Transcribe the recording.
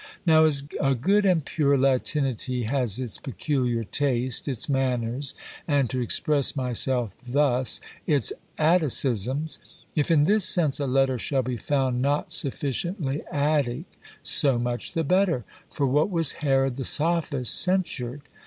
Now as a good and pure Latinity has its peculiar taste, its manners, and, to express myself thus, its Atticisms; if in this sense a letter shall be found not sufficiently Attic, so much the better; for what was Herod the sophist censured?